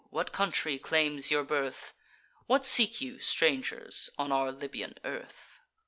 what country claims your birth? What seek you, strangers, on our Libyan earth?"